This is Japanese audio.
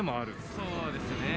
そうですね。